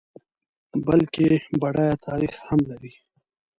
بلکه بډایه تاریخ هم لري.